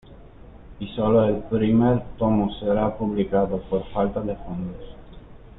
Y solo el primer tomo será publicado, por falta de fondos.